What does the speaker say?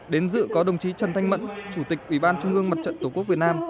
đến dự có đồng chí trần thanh mẫn chủ tịch ủy ban trung ương mặt trận tổ quốc việt nam